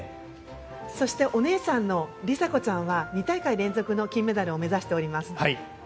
そしてお姉さんの梨紗子ちゃんは２大会連続の金メダルを目指しています。